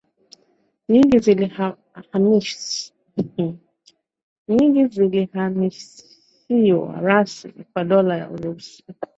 nyingi zilihamishiwa rasmi kwa Dola ya Urusi